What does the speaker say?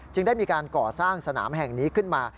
ได้มีการก่อสร้างสนามแห่งนี้ขึ้นมา